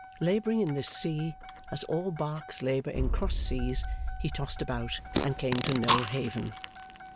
Labouring in this sea, as all barks labour in cross seas, he tossed about and came to no haven.